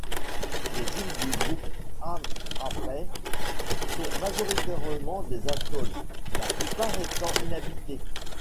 Les îles du groupe Ha'apai sont majoritairement des atolls, la plupart étant inhabités.